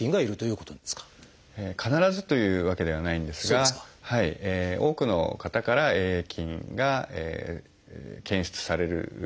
必ずというわけではないんですが多くの方からＡ．ａ．菌が検出されております。